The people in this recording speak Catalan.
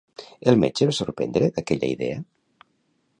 El metge es va sorprendre d'aquella idea?